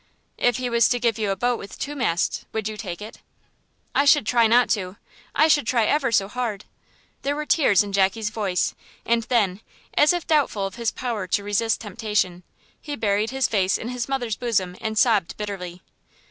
"If he was to give you a boat with two masts, would you take it?" "I should try not to, I should try ever so hard." There were tears in Jackie's voice, and then, as if doubtful of his power to resist temptation, he buried his face in his mother's bosom and sobbed bitterly.